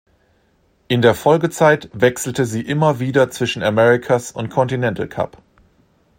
In der Folgezeit wechselte sie immer wieder zwischen America's- und Continental-Cup.